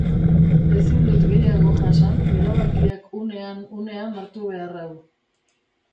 Ezin dut gehiago jasan erabakiak unean-unean hartu behar hau.